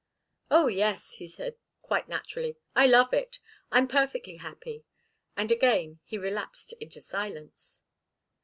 "Oh, yes," he said, quite naturally. "I love it. I'm perfectly happy." And again he relapsed into silence.